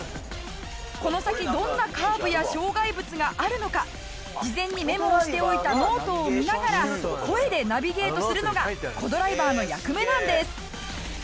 この先どんなカーブや障害物があるのか事前にメモをしておいたノートを見ながら声でナビゲートするのがコ・ドライバーの役目なんです。